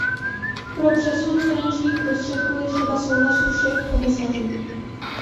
Pro přesun finančních prostředků je třeba souhlasu všech komisařů.